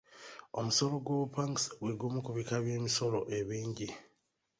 Omusolo gw'obupangisa gwe gumu ku bika by'emisolo ebingi.